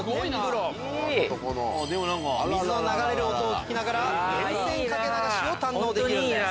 水の流れる音を聞きながら源泉掛け流しを堪能できるんです。